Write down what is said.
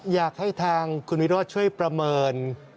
อยากให้ทางคุณวิโรธช่วยประเมิน